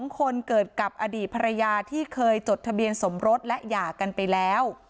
๒คนเกิดกับอดีตภรรยาที่เคยจดทะเบียนสมรสและหย่ากันไปแล้ว